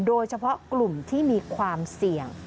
โดยเฉพาะกลุ่มที่มีความเสี่ยง